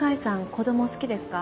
子供好きですか？